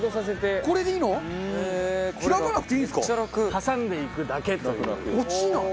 挟んでいくだけという。